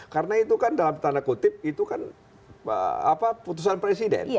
karena itu kan dalam tanda kutip itu kan putusan presiden